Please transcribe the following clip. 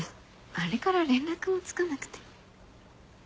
あれから連絡もつかなくて。